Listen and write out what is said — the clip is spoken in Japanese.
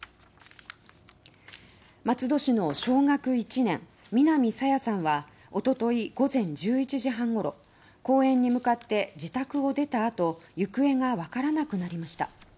松戸市の小学１年南朝芽さんはおととい午前１１時半ごろ公園に向かって自宅を出たあと行方がわからなくなりました。